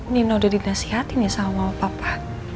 nino udah dinasihati nih sama papa